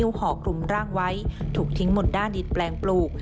ห่อกลุ่มร่างไว้ถูกทิ้งหมดหน้าดินแปลงปลูก